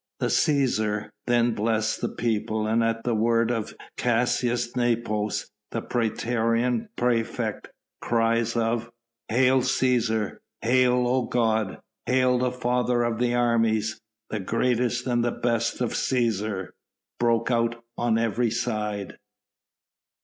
The Cæsar then blessed his people, and at the word of Caius Nepos the praetorian praefect cries of "Hail Cæsar! Hail, O God! Hail the Father of the Armies! the greatest and best of Cæsars!" broke out on every side.